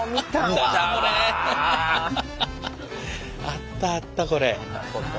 あったあったこれ。